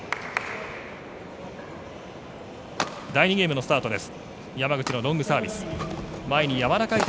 第２ゲームのスタートです。